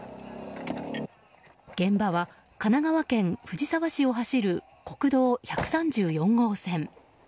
現場は神奈川県藤沢市を走る国道１３４号線。